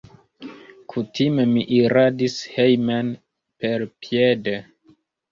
Kutime mi iradis hejmen perpiede.